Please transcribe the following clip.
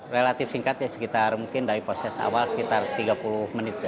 relatif singkat ya sekitar mungkin dari proses awal sekitar tiga puluh menit ya